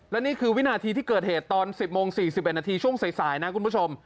และนี่คือวินาทีที่เกิดเหตุตอน๑๐โมง๔๑นาทีช่วงสายนะคุณผู้ชม